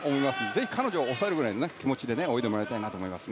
ぜひ彼女を抑えるくらいの気持ちで泳いでもらいたいです。